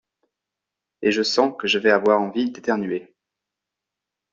et je sens que je vais avoir envie d’éternuer…